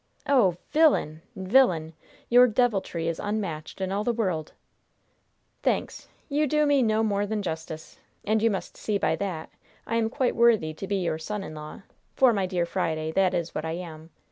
"Oh, villain! villain! Your deviltry is unmatched in all the world!" "Thanks. You do me no more than justice. And you must see by that I am quite worthy to be your son in law; for, my dear Friday, that is what I am.